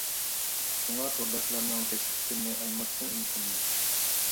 شۇڭا تورداشلارنىڭ تەكلىپ پىكىرلىرىنى ئايىماسلىقىنى ئۈمىد قىلىمەن.